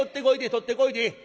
取ってこいでええ。